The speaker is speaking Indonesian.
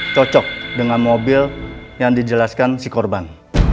cocok dengan mobil yang dijelaskan si korban